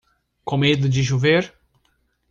Com medo de chover?